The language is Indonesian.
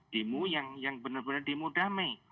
demo yang benar benar demo damai